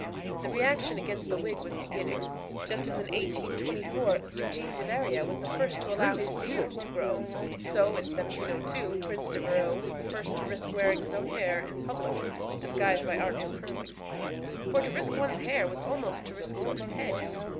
The reaction against the wig was beginning. Just as in 1824 Eugene Deveria was the first to allow his beard to grow, so in 1702 Prince Devereux was the first to risk wearing his own hair in public disguised by artful curling. For to risk one's hair was almost to risk one's head.